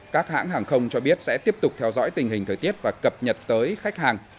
các hãng hàng không cho biết sẽ tiếp tục theo dõi tình hình thời tiết và cập nhật tới khách hàng